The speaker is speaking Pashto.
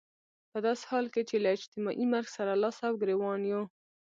په داسې حال کې چې له اجتماعي مرګ سره لاس او ګرېوان يو.